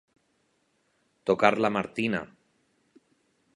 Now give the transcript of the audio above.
Tocar la Martina.